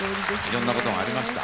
いろんなことがありました。